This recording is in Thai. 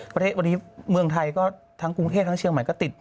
วันนี้เมืองไทยก็ทั้งกรุงเทพทั้งเชียงใหม่ก็ติด